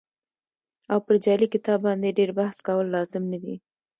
او پر جعلي کتاب باندې ډېر بحث کول لازم نه دي.